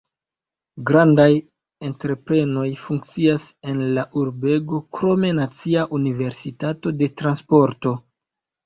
Grandaj entreprenoj funkcias en la urbego, krome Nacia Universitato de Transporto.